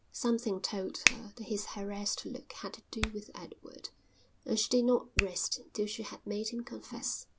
Something told her that his harassed look had to do with Edward and she did not rest till she had made him confess.